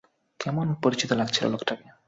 কেমন পরিচিত লাগছিল লোকটাকে।